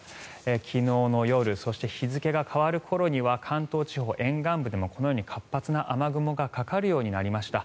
昨日の夜そして日付が変わる頃には関東地方沿岸部でもこのように活発な雨雲がかかるようになりました。